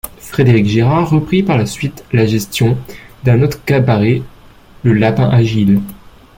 Frédéric Gérard reprit par la suite la gestion d'un autre cabaret, le Lapin Agile.